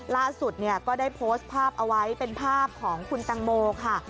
ล่าสุดก็ได้โพสต์ภาพเอาไว้เป็นภาพของคุณตังโมค่ะ